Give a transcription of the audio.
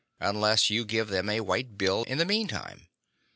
Unless you give them a white bill in the meantime.